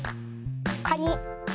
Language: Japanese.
カニ。